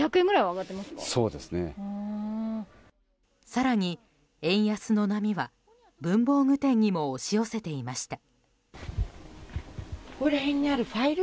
更に、円安の波は文房具店にも押し寄せていました。